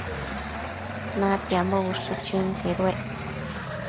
Natiambo ushë chënquedued